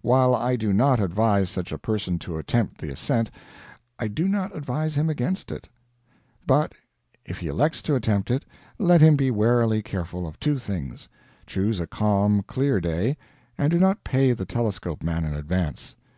While I do not advise such a person to attempt the ascent, I do not advise him against it. But if he elects to attempt it, let him be warily careful of two things: chose a calm, clear day; and do not pay the telescope man in advance.